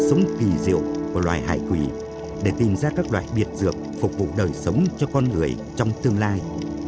sống kỳ diệu của loài hải quỷ để tìm ra các loài biệt dược phục vụ đời sống cho con người trong tương lai